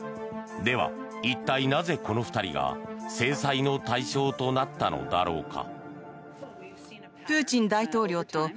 では一体、なぜこの２人が制裁の対象となったのだろうか。